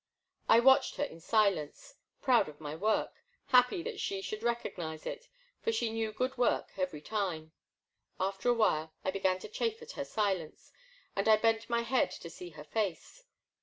I watched her in silence, proud of my work, happy that she should recognize it, for she knew good work every time. After a while I began to chafe at her silence, and I bent my head to see her face.